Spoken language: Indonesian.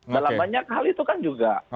dalam banyak hal itu kan juga